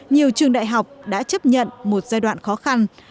nhiều trường đại học đã chấp nhận một giai đoạn khó khăn